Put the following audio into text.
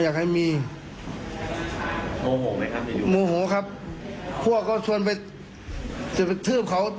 แต่ถ้าที่เราไปตีเขา